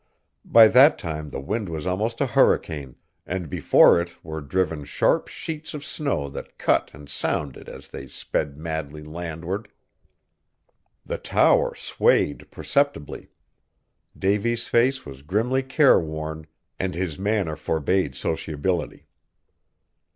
By that time the wind was almost a hurricane; and before it were driven sharp sheets of snow that cut and sounded as they sped madly landward. The tower swayed perceptibly. Davy's face was grimly careworn, and his manner forbade sociability.